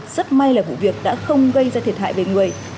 rất may là vụ việc đã không gây ra thiệt hại về người